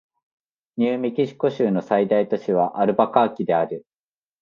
ニューメキシコ州の最大都市はアルバカーキである